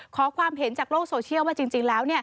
ขอความเห็นจากโลกโซเชียลว่าจริงแล้ว